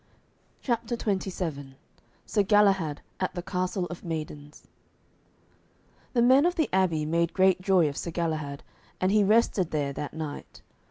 CHAPTER XXVII SIR GALAHAD AT THE CASTLE OF MAIDENS The men of the abbey made great joy of Sir Galahad, and he rested there that night.